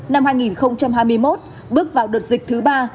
năm hai nghìn hai mươi một bước vào đợt dịch thứ ba